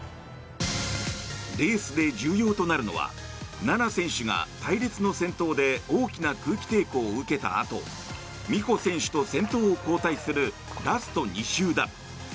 レースで重要となるのは菜那選手が隊列の先頭で大きな空気抵抗を受けたあと美帆選手と先頭を交代するラスト２周だ。